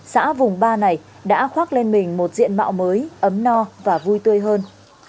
xã vùng ba này đã khoác lên mình một diện mạo mới ấm no và vui tươi hơn